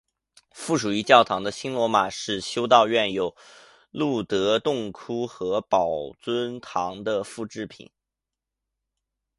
附属于教堂的新罗马式修道院有露德洞窟和宝尊堂的复制品。